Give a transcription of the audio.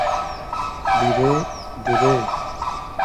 دیرې؟ دیرې؟